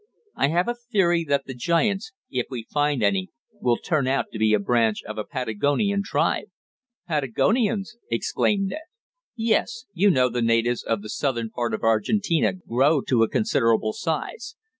I have a theory that the giants, if we find any, will turn out to be a branch of a Patagonian tribe." "Patagonians!" exclaimed Ned. "Yes. You know the natives of the Southern part of Argentina grow to a considerable size.